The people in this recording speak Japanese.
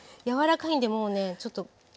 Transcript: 柔らかいんでもうねちょっと。